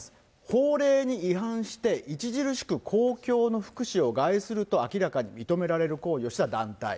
法令に違反して著しく公共の福祉を害すると明らかに認められる行為をした団体。